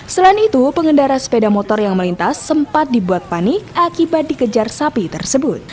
selain itu pengendara sepeda motor yang melintas sempat dibuat panik akibat dikejar sapi tersebut